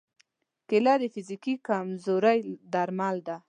کېله د فزیکي کمزورۍ درمل ده.